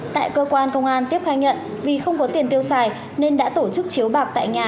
tại cơ quan công an tiếp khai nhận vì không có tiền tiêu xài nên đã tổ chức chiếu bạc tại nhà